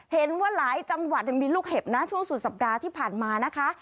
เห็นว่าหลายจังหวัดมีลูกเห็บนะช่วงสุดสัปดาห์ที่ผ่านมานะคะ